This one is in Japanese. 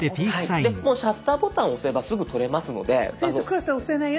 もうシャッターボタンを押せばすぐ撮れますので。